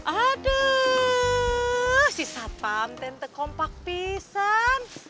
aduh si satan tempe kompak pisan